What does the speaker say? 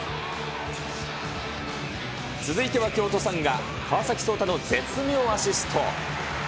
続いては京都サンガ、川崎颯太の絶妙アシスト。